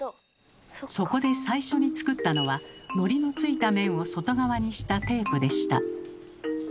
そこで最初に作ったのはのりのついた面を外側にしたテープでした。